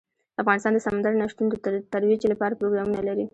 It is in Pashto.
افغانستان د سمندر نه شتون د ترویج لپاره پروګرامونه لري.